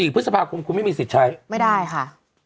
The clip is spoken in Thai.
พฤษภาคมคุณไม่มีสิทธิ์ใช้ไม่ได้ค่ะ